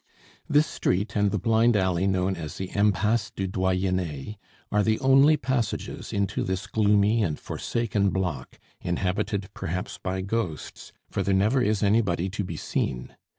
This street, and the blind alley known as the Impasse du Doyenne, are the only passages into this gloomy and forsaken block, inhabited perhaps by ghosts, for there never is anybody to be seen.